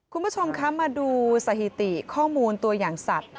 คุณผู้ชมคะมาดูสถิติข้อมูลตัวอย่างสัตว์